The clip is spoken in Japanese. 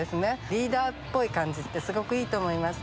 リーダーっぽい感じってすごくいいと思います。